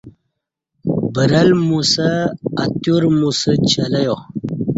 برل موسہء اتیور موسہ چلے یا